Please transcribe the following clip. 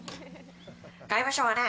「外務省はね